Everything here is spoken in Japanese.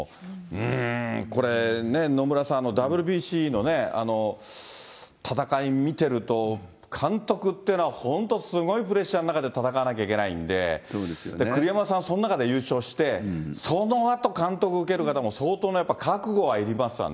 うーん、これね、野村さん、ＷＢＣの戦い見てると、監督っていうのは本当、すごいプレッシャーの中で戦わなきゃいけないんで、栗山さん、その中で優勝して、そのあと監督受ける方も、相当覚悟がいりますわね。